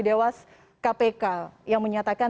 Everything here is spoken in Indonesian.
dewas kpk yang menyatakan